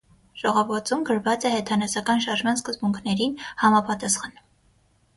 Ժողովածուն գրված է հեթանոսական շարժման սկզբունքներին համապատասխան։